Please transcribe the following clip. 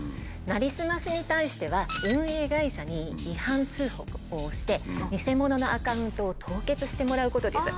なりすましに対しては運営会社に違反通告をしてニセモノのアカウントを凍結してもらうことです。